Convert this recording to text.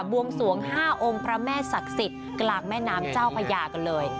วงสวง๕องค์พระแม่ศักดิ์สิทธิ์กลางแม่น้ำเจ้าพญากันเลย